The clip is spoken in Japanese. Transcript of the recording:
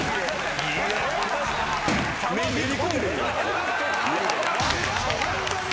球めり込んでるよ。